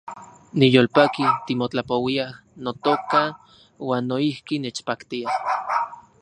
Niyolpaki timotlapouiaj, notoka , uan noijki nechpaktia